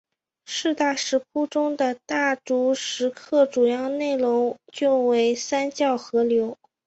四大石窟中的大足石刻主要内容就为三教合流。